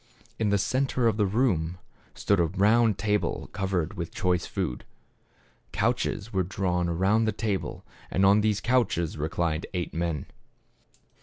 In the center of the room, stood a round table covered with choice food. Couches were drawn around the table, and on these couches reclined eight men.